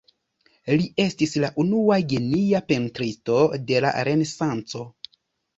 Li estis la unua genia pentristo de la Renesanco.